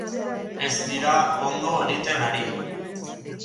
Ez dira ondo egiten ari?